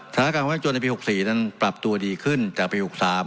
สถานการณ์ความจนในปี๖๔นั้นปรับตัวดีขึ้นจากปี๖๓